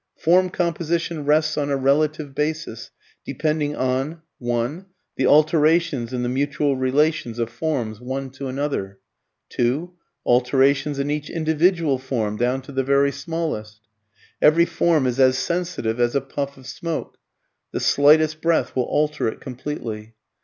Form composition rests on a relative basis, depending on (1) the alterations in the mutual relations of forms one to another, (2) alterations in each individual form, down to the very smallest. Every form is as sensitive as a puff of smoke, the slightest breath will alter it completely.